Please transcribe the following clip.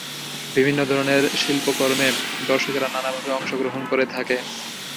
বিভিন্ন ধরনের শিল্পকর্মে দর্শকেরা নানা ভাবে অংশগ্রহণ করে থাকে।